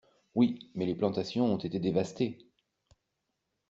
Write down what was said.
Oui, mais les plantations ont été dévastées.